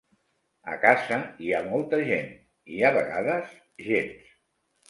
A casa hi ha molta gent, i a vegades, gens.